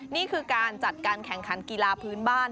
นี่คือการจัดการแข่งขันกีฬาพื้นบ้าน